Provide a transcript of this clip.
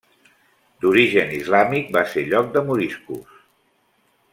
D'origen islàmic, va ser lloc de moriscos.